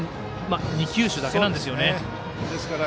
２球種だけなんですよね。